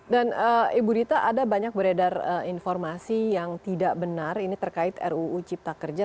dan ibu rita ada banyak beredar informasi yang tidak benar ini terkait ruu cipta kerja